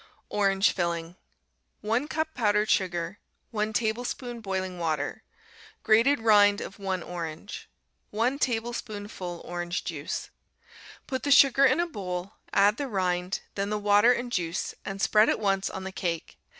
Orange Filling 1 cup powdered sugar. 1 tablespoonful boiling water. Grated rind of 1 orange. 1 tablespoonful orange juice. Put the sugar in a bowl, add the rind, then the water and juice, and spread at once on the cake.